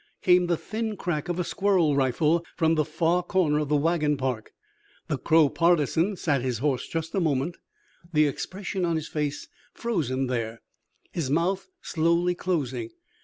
Came the thin crack of a squirrel rifle from the far corner of the wagon park. The Crow partisan sat his horse just a moment, the expression on his face frozen there, his mouth slowly closing.